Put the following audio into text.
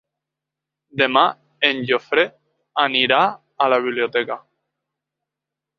Demà en Jofre anirà a la biblioteca.